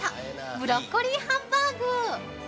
ブロッコリーハンバーグ。